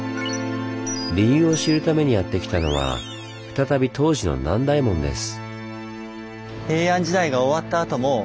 理由を知るためにやって来たのは再び東寺の南大門です。